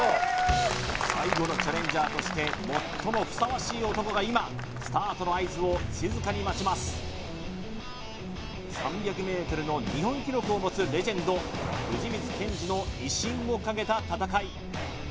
最後のチャレンジャーとして最もふさわしい男が今スタートの合図を静かに待ちます３００ｍの日本記録を持つレジェンド藤光謙司の威信をかけた戦い